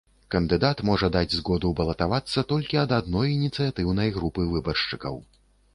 Кандыдат можа даць згоду балатавацца толькі ад адной ініцыятыўнай групы выбаршчыкаў.